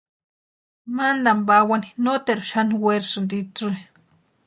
Mantani pawani noteru xani werasïnti itsï.